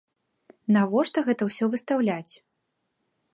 Навошта гэта ўсё выстаўляць?